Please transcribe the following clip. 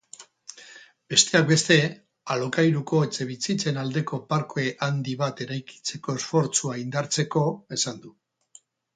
Besteak beste alokairuko etxebizitzen aldeko parke handi bat eraikitzeko esfortzua indartzeko esan du.